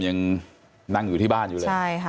ยังนั่งอยู่ที่บ้านอยู่เลย